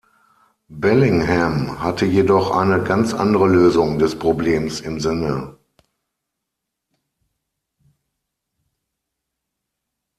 Bellingham hatte jedoch eine ganz andere Lösung des Problems im Sinne.